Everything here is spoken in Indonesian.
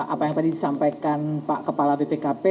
apa yang tadi disampaikan pak kepala bpkp